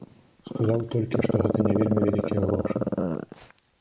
Сказаў толькі, што гэта не вельмі вялікія грошы.